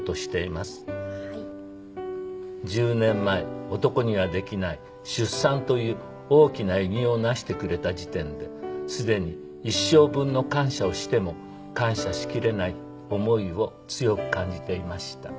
「１０年前男にはできない出産という大きな偉業を成してくれた時点で既に一生分の感謝をしても感謝しきれない思いを強く感じていました」